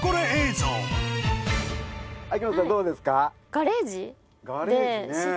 秋元さんどうですか？